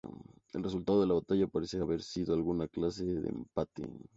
El resultado de la batalla parece haber sido alguna clase de empate.